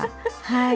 はい。